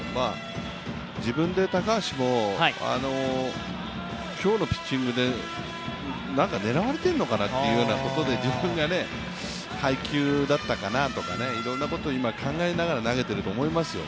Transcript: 自分で高橋も、今日のピッチングで何か狙われてるのかなということで自分が配球だったかなとかいろんなことを今、考えながら投げていると思いますよ。